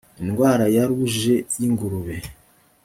indwara ya ruje y’ingurube